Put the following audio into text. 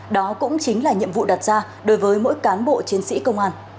đó cũng chính là nhiệm vụ đặt ra đối với mỗi cán bộ chiến sĩ công an